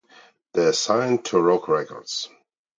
They are signed to Rock Records.